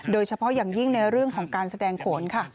โดยเฉพาะอย่างยิ่งในเรื่องของการแสดงโขนค่ะ